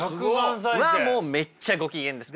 もうめっちゃご機嫌です。